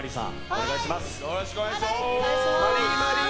お願いします。